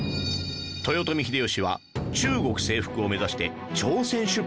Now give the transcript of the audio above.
豊臣秀吉は中国征服を目指して朝鮮出兵を行いました